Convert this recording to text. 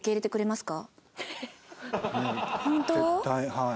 はい。